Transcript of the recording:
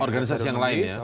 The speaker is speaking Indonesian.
organisasi yang lain ya